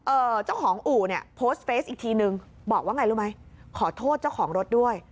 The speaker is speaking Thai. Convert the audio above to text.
เจ้าของอู่เนี่ยโพสต์เฟสอีกทีนึงบอกว่าไงรู้ไหมขอโทษเจ้าของรถด้วย